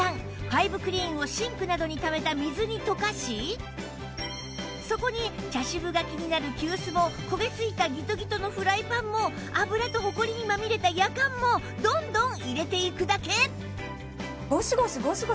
ファイブクリーンをシンクなどにためた水に溶かしそこに茶渋が気になる急須も焦げ付いたギトギトのフライパンも油とほこりにまみれたヤカンもどんどん入れていくだけ！